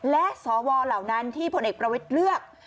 และสวเหล่านั้นที่พลเอกประวิทย์เลือก